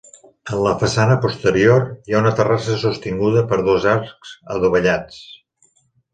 En la façana posterior, hi ha una terrassa sostinguda per dos arcs adovellats.